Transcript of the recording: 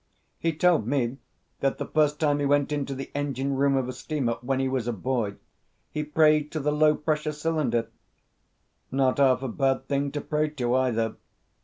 "He told me that the first time he went into the engine room of a steamer, when he was a boy, he prayed to the low pressure cylinder." "Not half a bad thing to pray to, either.